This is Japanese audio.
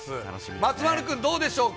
松丸君、どうでしょうか？